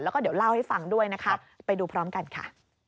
แล้วก็เดี๋ยวเล่าให้ฟังด้วยนะคะไปดูพร้อมกันค่ะ